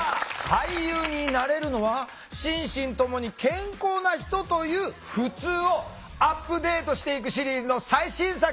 「俳優になれるのは心身ともに健康な人」というふつうをアップデートしていくシリーズの最新作。